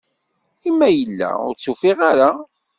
I ma yella ur tt-ufiɣ ara?